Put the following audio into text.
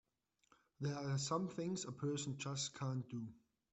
There are some things a person just can't do!